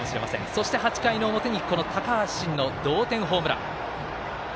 そして８回の表高橋慎の同点ホームラン。